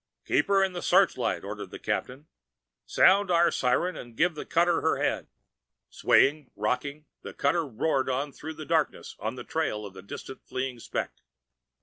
"Keep her in the searchlight," ordered the captain. "Sound our siren, and give the cutter her head." Swaying, rocking, the cutter roared on through the darkness on the trail of that distant fleeing speck.